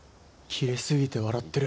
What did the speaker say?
キレすぎて笑ってる